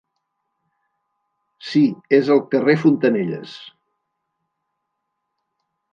Si, és el carrer Fontanelles.